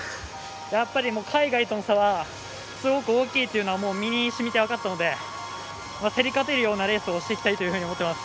海外との差はすごく大きいというのは身に染みて分かったので競り勝てるようなレースをしていきたいと思います。